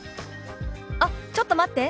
「あっちょっと待って。